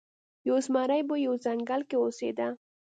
یو زمری په یوه ځنګل کې اوسیده.